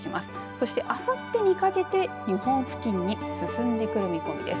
そしてあさってにかけて日本付近に進んでくる見込みです。